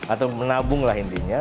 atau menabunglah intinya